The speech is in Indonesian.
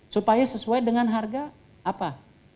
supaya sesuai dengan harga apa